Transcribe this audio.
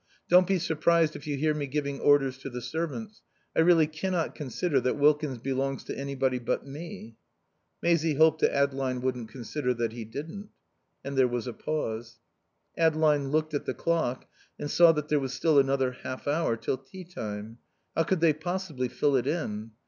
Don't be surprised if you hear me giving orders to the servants. I really cannot consider that Wilkins belongs to anybody but me." Maisie hoped that Adeline wouldn't consider that he didn't. And there was a pause. Adeline looked at the clock and saw that there was still another half hour till tea time. How could they possibly fill it in?